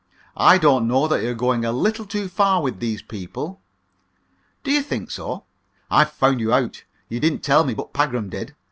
"I don't know that you're not going a little too far with these people." "Do you think so? I've found you out. You didn't tell me, but Pagram did.